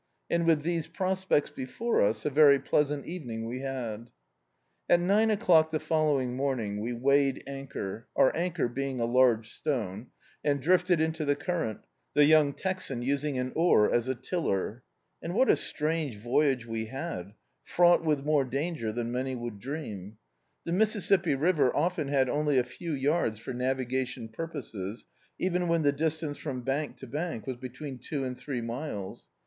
And with these prospects before us, a very pleasant evening we had. At nine o'clock the following morning, we weighed anchor — our anchor being a large stone — and drifted into the current, the young Texan using an oar as a tiller. And what a strange voyage we had, fraught with more danger than many would dream. This Mississippi river often had only a few yards for navigation purposes, even when the distance from bank to bank was between two and three miles.